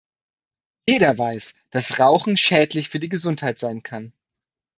Jeder weiß, dass Rauchen schädlich für die Gesundheit sein kann.